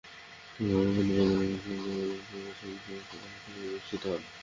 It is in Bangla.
কিন্তু বেদনার বিষয়, অতি অল্প সময়ের মধ্যে তিনি সেখান থেকে বহিষ্কৃত হন।